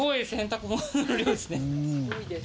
すごいです。